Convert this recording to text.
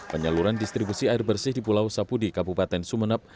penyaluran distribusi air bersih di pulau sapudi kabupaten sumeneb